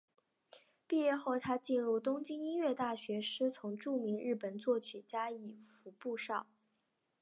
毕业后她进入东京音乐大学师从著名日本作曲家伊福部昭。